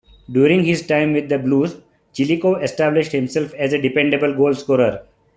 During his time with the "blues", Chilikov established himself as a dependable goal-scorer.